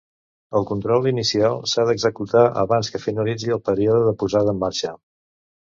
El control inicial s'ha d'executar abans que finalitzi el període de posada en marxa.